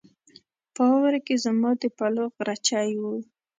په واوره کې زما د پلوو غرچی و